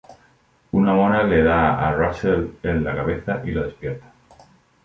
Una bola le da a Russel en la cabeza y lo despierta.